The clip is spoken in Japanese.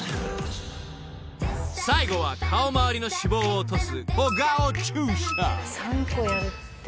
［最後は顔回りの脂肪を落とす］